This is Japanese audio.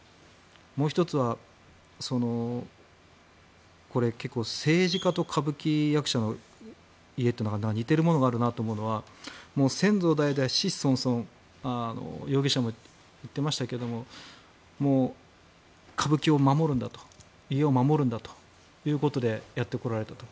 もう１つは、これ結構、政治家と歌舞伎役者の家っていうのは似てるものがあるなと思うのは先祖代々、子々孫々容疑者も言っていましたが歌舞伎を守るんだと家を守るんだということでやってこられたと。